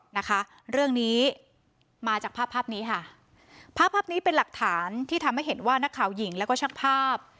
นะคะเรื่องนี้มาจากภาพภาพนี้ค่ะภาพภาพนี้เป็นหลักฐานที่ทำให้เห็นว่านักข่าวหญิงแล้วก็ช่างภาพ